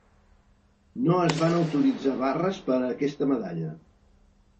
No es van autoritzar barres per a aquesta medalla.